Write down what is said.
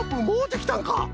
もうできたんか。